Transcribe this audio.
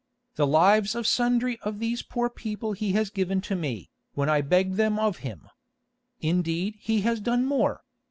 The lives of sundry of these poor people he has given to me, when I begged them of him. Indeed, he has done more.